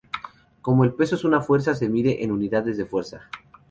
Como el peso es una fuerza, se mide en unidades de fuerza.